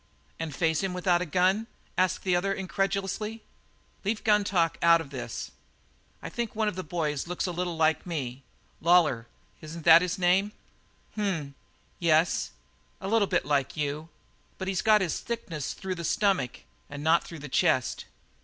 "And face him without a gun?" asked the other incredulously. "Leave gun talk out of this. I think one of the boys looks a little like me. Lawlor isn't that his name?" "Him? Yes; a little bit like you but he's got his thickness through the stomach and not through the chest."